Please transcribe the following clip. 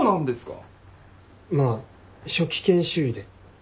まあ初期研修医で。